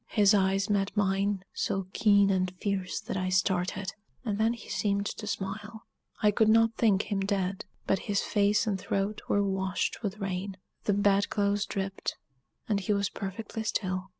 His eyes met mine, so keen and fierce that I started; and then he seemed to smile. I could not think him dead but his face and throat were washed with rain; the bed clothes dripped, and he was perfectly still.